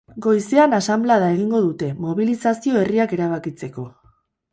Goizean asanblada egingo dute, mobilizazio berriak erabakitzeko.